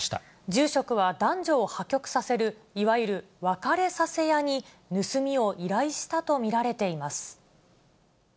住職は男女を破局させる、いわゆる別れさせ屋に盗みを依頼したと見られています。